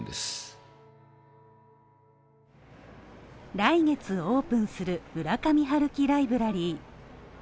来月オープンする村上春樹ライブラリー。